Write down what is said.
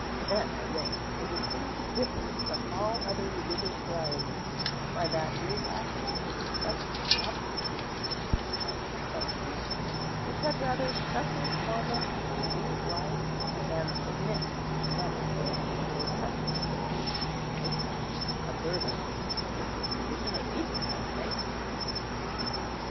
Then at length it was seen to differ from all other religious varieties by that irrational and disgusting obstinacy, as it was felt to be, which had rather suffer torments and lose life than submit to some graceful, or touching, or at least trifling observance which the tradition of ages had sanctioned.